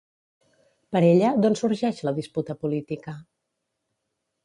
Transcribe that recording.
Per ella, d'on sorgeix la disputa política?